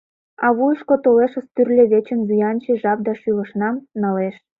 А вуйышко толешыс тӱрлӧ вечын Вуянче жап да шӱлышнам налеш…